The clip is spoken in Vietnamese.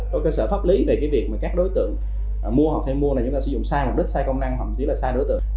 có cơ sở pháp lý về cái việc mà các đối tượng mua hoặc thay mua này chúng ta sử dụng sai mục đích sai công năng hoặc một chút là sai đối tượng